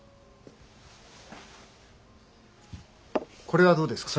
これはどうですか？